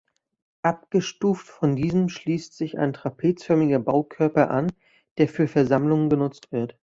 Abgestuft von diesem schließt sich ein trapezförmiger Baukörper an, der für Versammlungen genutzt wird.